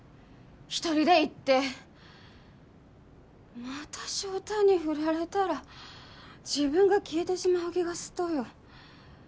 一人で行ってまた翔太にフラれたら自分が消えてしまう気がすっとよ